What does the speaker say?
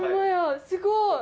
すごい！